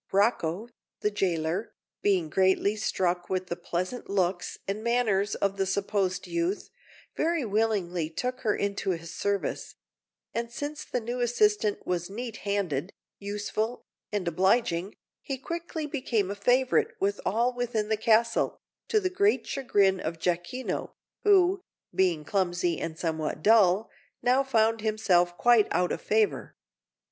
Rocco, the jailer, being greatly struck with the pleasant looks and manners of the supposed youth, very willingly took her into his service; and, since the new assistant was neat handed, useful and obliging, he quickly became a favourite with all within the castle, to the great chagrin of Jacquino, who, being clumsy and somewhat dull, now found himself quite out of favour.